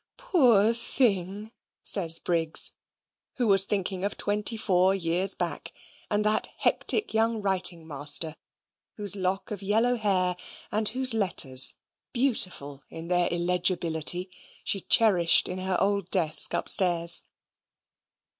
poor thing!" says Briggs (who was thinking of twenty four years back, and that hectic young writing master whose lock of yellow hair, and whose letters, beautiful in their illegibility, she cherished in her old desk upstairs).